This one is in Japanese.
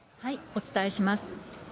お伝えします。